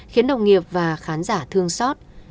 khiến đồng nghiệp và khán giả thương xót